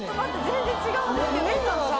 全然違うんですけど。